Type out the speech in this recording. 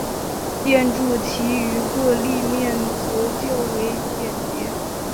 建筑其余各立面则较为简洁。